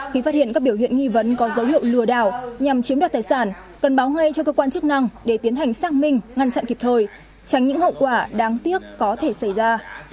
khi phát hiện các biểu hiện nghi vấn có dấu hiệu lừa đảo nhằm chiếm đoạt tài sản cần báo ngay cho cơ quan chức năng để tiến hành xác minh ngăn chặn kịp thời tránh những hậu quả đáng tiếc có thể xảy ra